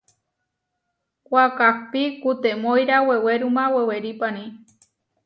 Wakahpí kutemóira wewéruma wewerípani.